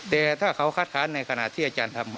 แต่ถ้าเขาคัดค้านในขณะที่อาจารย์ทำ